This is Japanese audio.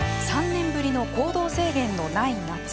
３年ぶりの行動制限のない夏。